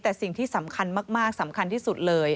แต่สิ่งที่สำคัญมากสำคัญที่สุดเลย